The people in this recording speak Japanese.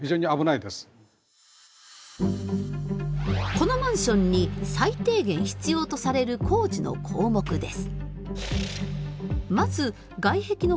このマンションに最低限必要とされる工事の項目です。